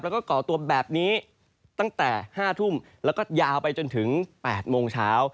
แล้วก็ก่อตัวแบบนี้ตั้งแต่๕ทุ่มแล้วก็ยาวไปจนถึง๘โมงเช้า